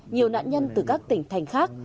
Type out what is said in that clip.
nhiều nạn nhân từ các tỉnh thành khác